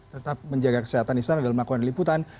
tetap menjaga kesehatan di sana dalam melakukan liputan